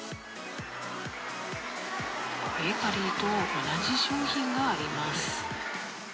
ベーカリーと同じ商品があります。